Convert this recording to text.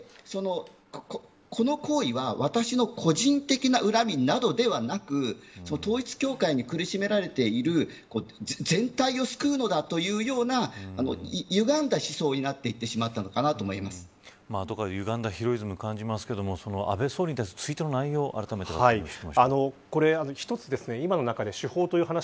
この行為は私の個人的な恨みなどではなく統一教会に苦しめられている全体を救うのだというようなゆがんだ思想になっていってしまったのかなとゆがんだヒロイズムを感じますが安倍元総理に対するツイートの内容をあらためてお願いします。